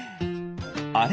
あれ？